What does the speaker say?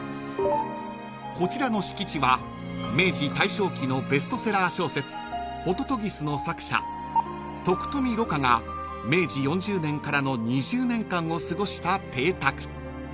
［こちらの敷地は明治大正期のベストセラー小説『不如帰』の作者徳冨蘆花が明治４０年からの２０年間を過ごした邸宅］